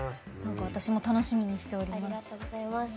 私も楽しみにしております。